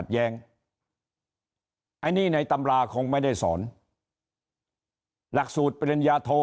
แย้งอันนี้ในตำราคงไม่ได้สอนหลักสูตรปริญญาโท